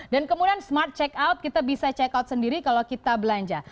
dan kemudian smart check out kita bisa check out sendiri kalau kita belanja